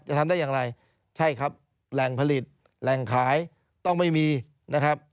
ทำได้อย่างไรใช่ครับแหล่งผลิตแหล่งขายต้องไม่มีนะครับ